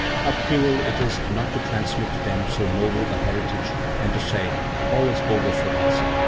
"How cruel it is not to transmit to them so noble a heritage, and to say: All is over for us!"